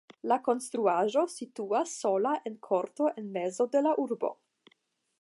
La konstruaĵo situas sola en korto en mezo de la urbo.